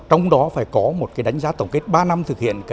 trong đó phải có một cái đánh giá tổng kết ba năm thực hiện